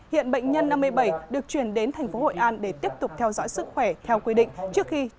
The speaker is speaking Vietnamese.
hiện bệnh nhân năm mươi bảy được chuyển đến thành phố hội an để tiếp tục theo dõi sức khỏe theo quy định trước khi trở về nước